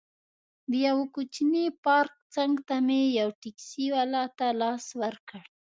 د یوه کوچني پارک څنګ ته مې یو ټکسي والا ته لاس ورکړ.